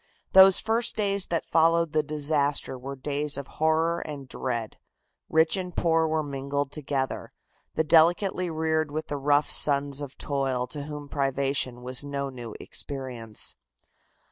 Those first days that followed the disaster were days of horror and dread. Rich and poor were mingled together, the delicately reared with the rough sons of toil to whom privation was no new experience.